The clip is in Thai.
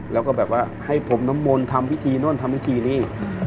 แล้วก็แบบว่าให้ผมน้ำมนต์ทำพิธีโน่นทำพิธีนี่